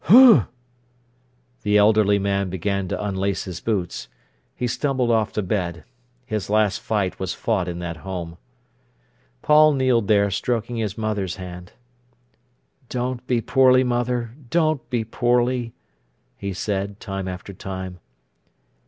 "H'm!" The elderly man began to unlace his boots. He stumbled off to bed. His last fight was fought in that home. Paul kneeled there, stroking his mother's hand. "Don't be poorly, mother—don't be poorly!" he said time after time.